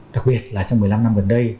đặc biệt là trong một mươi năm năm gần đây